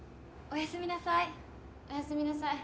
おやすみなさい。